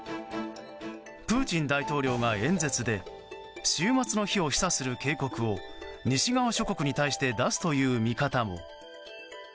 プーチン大統領が演説で終末の日を示唆する警告を西側諸国に対して出すとの見方も。